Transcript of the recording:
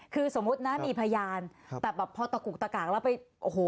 คือสมมุตินะมีพยานแต่แบบพอตะกุกตะกากแล้วไปโอ้โห